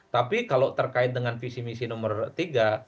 tapi kalau terkait dengan visi misi nomor tiga